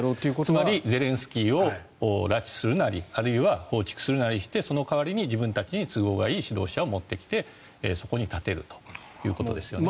つまりゼレンスキーを拉致するなりあるいは放逐するなりしてその代わりに自分たちに都合のいい指導者を持ってきてそこに立てるということです。